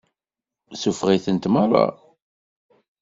Suffeɣ-itent meṛṛa.